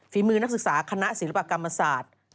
ฝีมือนักศึกษาคณะศิลปกรรมศาสตร์